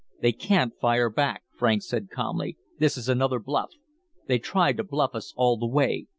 "They can't fire back," Franks said calmly. "This is another bluff. They've tried to bluff us all the way."